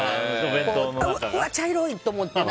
うわ、茶色いって思って。